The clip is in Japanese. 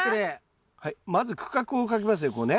はいまず区画を描きますねこうね。